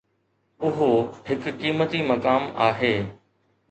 اهو هڪ قيمتي مقام آهي.